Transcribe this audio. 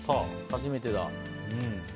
初めてだ。